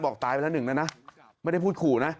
บอกตายไปละ๑แล้วนะไม่ได้พูดขู่นะ